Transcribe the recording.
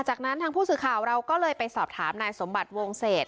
จากนั้นทางผู้สื่อข่าวเราก็เลยไปสอบถามนายสมบัติวงเศษ